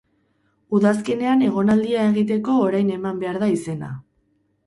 Udazkenean egonaldia egiteko orain eman behar da izena.